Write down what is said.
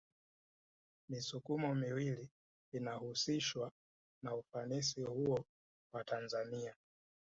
Misukumo miwili inahusishwa na ufanisi huo wa Tanzania